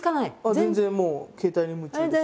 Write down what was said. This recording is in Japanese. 全然もう携帯に夢中です。